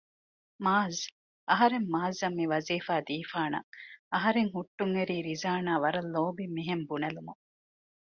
މާޒް! އަހަރެން މާޒްއަށް މިވަޒީފާ ދީފާނަށް އަހަރެން ހުއްޓުންއެރީ ރިޒާނާ ވަރަށް ލޯބިން މިހެން ބުނެލުމުން